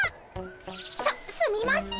すすみません。